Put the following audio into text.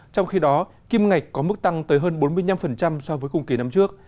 trong khi đó kim ngạch có mức tăng tới hơn bốn mươi năm so với cùng kỳ năm trước